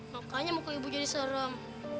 makanya muka ibu jadi sorong